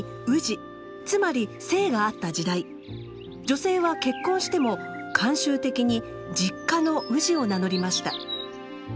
つまり姓があった時代女性は結婚しても慣習的に実家の「氏」を名乗りました。